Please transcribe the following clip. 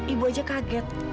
ibu saja kaget